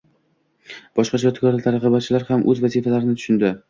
Boshqa ijodkor-targ‘ibotchilar ham o‘z vazifalarini tushundi.